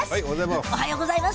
おはようございます。